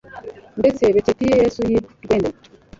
ndetse bekeyite Yesu y’i Rwende.